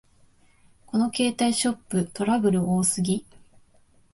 この携帯ショップ、トラブル多すぎ